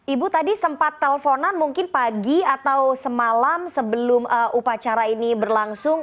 ibu tadi sempat telponan mungkin pagi atau semalam sebelum upacara ini berlangsung